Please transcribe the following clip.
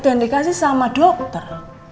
yang dikasih sama dokter